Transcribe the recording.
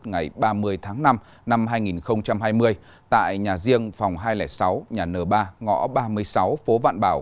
ngày ba mươi tháng năm năm hai nghìn hai mươi tại nhà riêng phòng hai trăm linh sáu nhà n ba ngõ ba mươi sáu phố vạn bảo